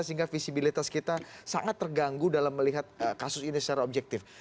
sehingga visibilitas kita sangat terganggu dalam melihat kasus ini secara objektif